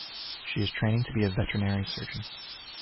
She is training to be a veterinary surgeon